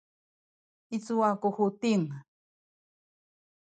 i cuwa ku Huting?